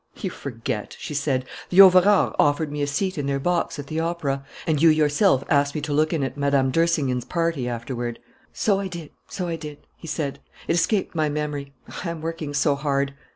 "You forget," she said. "The Auverards offered me a seat in their box at the opera; and you yourself asked me to look in at Mme. d'Ersingen's party afterward " "So I did, so I did," he said. "It escaped my memory; I am working so hard."